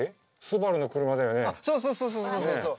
そうそうそうそうそうそうそう。